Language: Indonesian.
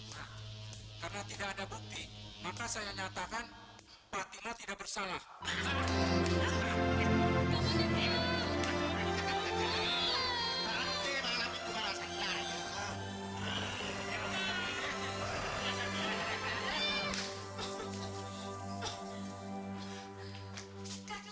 nah karena tidak ada bukti maka saya nyatakan fatimah tidak bersalah